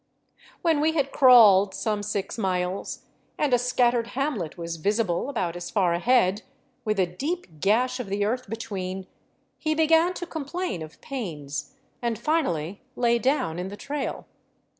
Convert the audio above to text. When we had ■crawled some six miles, and a scattered hamlet was visible about as far ahead, with a deep gash of the earth between, he began to complain of pains, and finally lay down in the trail.